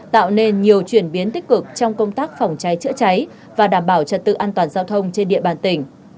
tạo nên nhiều chuyển biến tích cực trong công tác phòng cháy chữa cháy và đảm bảo trật tự an toàn giao thông trên địa bàn tỉnh